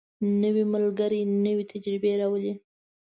نوی ملګری نوې تجربې راولي